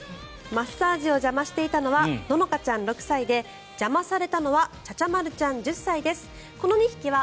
マッサージを邪魔していたのは野々花ちゃん、６歳で邪魔されたのは茶々丸ちゃん、１０歳です。